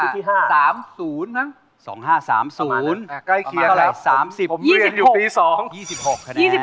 ผมเรียนอยู่ปี๒๖